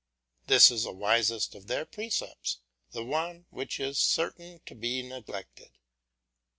This is the wisest of their precepts, and the one which is certain to be neglected.